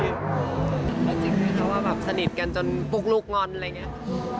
จริงหรือเขาก็เขาว่าสนิทกันจนปุ๊กลูกงอนอะไรอย่างเงี้ย